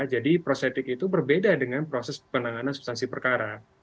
jadi proses etik itu berbeda dengan proses penanganan substansi perkara